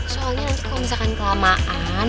soalnya kalau misalkan kelamaan